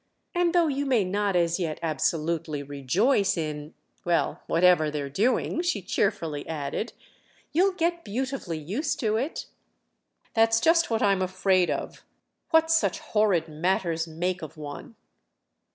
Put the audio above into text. And though you may not as yet absolutely rejoice in—well, whatever they're doing," she cheerfully added, "you'll get beautifully used to it." "That's just what I'm afraid of—what such horrid matters make of one!"